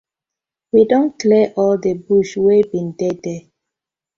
We don clear all di bush wey been dey dere.